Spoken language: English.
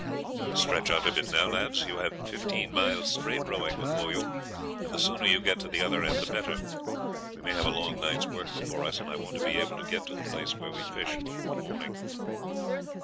"Stretch out a bit now, lads; you have fifteen miles' straight rowing before you, and the sooner you get to the other end, the better. We may have a long night's work before us, and I want to be able to get to the place where we fished before morning."